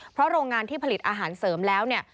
เพราะโรงงานที่ผลิตอาหารเสริมแล้วเนี่ย